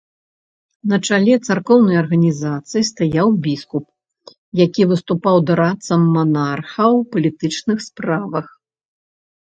На чале царкоўнай арганізацыі стаяў біскуп, які выступаў дарадцам манарха ў палітычных справах.